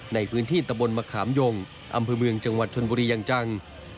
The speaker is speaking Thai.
ในพื้นที่ตะบนมะขามยงอำเภอเมืองจังหวัดชนบุรีอย่างจัง